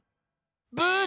ブー！